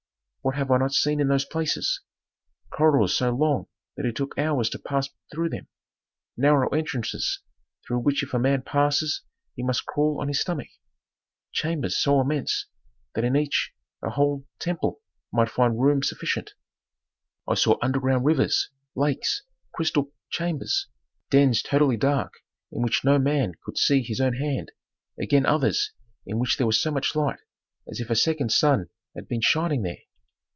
"What have I not seen in those places! Corridors so long that it took hours to pass through them, narrow entrances through which if a man passes he must crawl on his stomach; chambers so immense that in each a whole temple might find room sufficient. I saw underground rivers, lakes, crystal chambers, dens totally dark in which no man could see his own hand, again others in which there was as much light as if a second sun had been shining there.